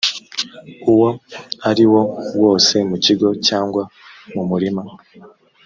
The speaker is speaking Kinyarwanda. uwo ari wo wose mu kigo cyangwa mu murima